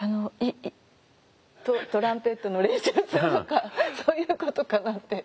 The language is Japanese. トランペットの練習をするとかそういうことかなって。